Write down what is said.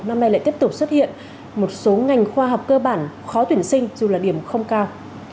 năm nay lại tiếp tục xuất hiện một số ngành khoa học cơ bản khó tuyển sinh dù là điểm không cao